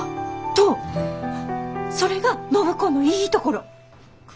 それが暢子のいいところ！